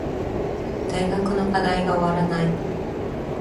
大学の課題が終わらない